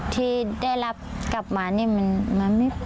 ที่ได้รับกลับมานี่มันไม่ให้เป็นธรรม